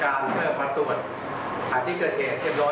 ก็จะนำตัวผู้หาไปกว่าขาวที่๓จังหวัดธุรกิจมาทำ